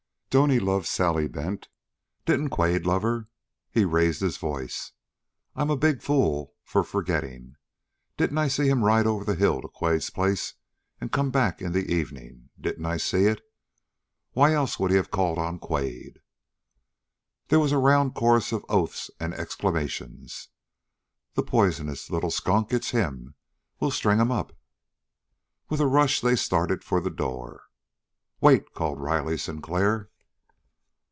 "Don't he love Sally Bent? Didn't Quade love her?" He raised his voice. "I'm a big fool for forgetting! Didn't I see him ride over the hill to Quade's place and come back in the evening? Didn't I see it? Why else would he have called on Quade?" There was a round chorus of oaths and exclamations. "The poisonous little skunk! It's him! We'll string him up!" With a rush they started for the door. "Wait!" called Riley Sinclair.